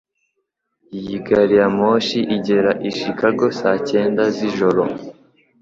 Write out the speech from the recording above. Iyi gari ya moshi igera i Chicago saa cyenda z'ijoro.